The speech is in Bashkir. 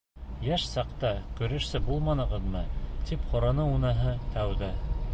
Йәш саҡта көрәшсе булманығыҙмы, тип һораны уныһы тәүҙә.